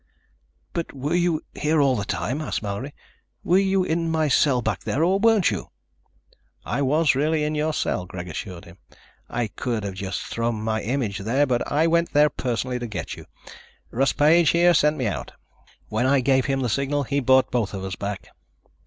"But were you here all the time?" asked Mallory. "Were you in my cell back there or weren't you?" "I was really in your cell," Greg assured him. "I could have just thrown my image there, but I went there personally to get you. Russ Page, here, sent me out. When I gave him the signal, he brought both of us back."